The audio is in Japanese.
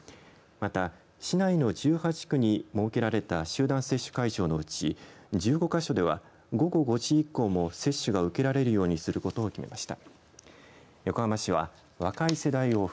また、市内の１８区に設けられた集団接種会場のうち１５か所では午後５時以降も接種が受けられるようにすることを決めました。